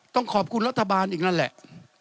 ต้องขอบคุณรัฐบาลอีกนั่นแหละ